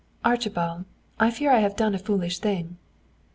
"Archibald, I fear I have done a foolish thing."